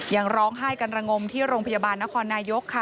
ยังร้องไห้กันระงมที่โรงพยาบาลนครนายกค่ะ